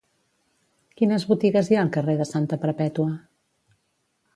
Quines botigues hi ha al carrer de Santa Perpètua?